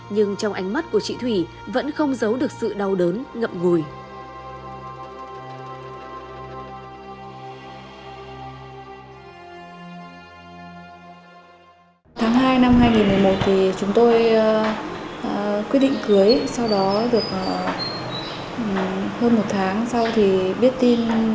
nhưng trong ánh mắt của chị thủy vẫn không giấu được sự đau đớn ngậm ngùi